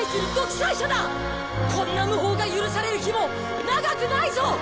こんな無法が許される日も長くないぞ！